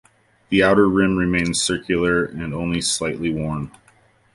The outer rim remains circular and only slightly worn.